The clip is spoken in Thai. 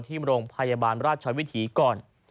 ที่โรงพยาบาลราชวิถีก่อน